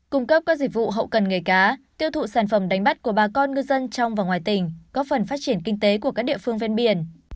cung cấp các dịch vụ hậu cần nghề cá tiêu thụ sản phẩm đánh bắt của bà con ngư dân trong và ngoài tỉnh góp phần phát triển kinh tế của các địa phương ven biển